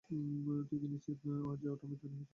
তুই কি নিশ্চিত যে ওটা মৃতদেহই ছিল?